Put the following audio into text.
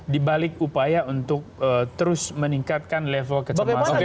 dibalik upaya untuk terus meningkatkan level kecemasan publik